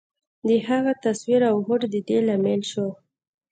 د هغه تصور او هوډ د دې لامل شول.